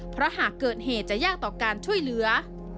เพราะหากเกิดเหตุจะยากต่อการช่วยเหลือ